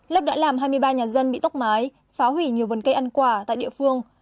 lốc đã làm hai mươi ba nhà dân bị tốc mái phá hủy nhiều vườn cây ăn quả tại địa phương